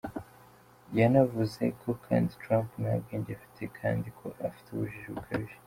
Yanavuze ko kandi Trump nta bwenge afite kandi ko afite ubujiji bukabije.